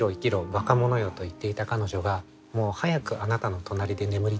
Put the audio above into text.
ばかものよと言っていた彼女がもう早くあなたの隣で眠りたい。